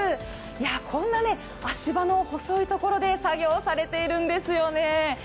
こんな足場の細い所で作業をされているんですよね。